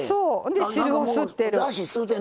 汁を吸ってる。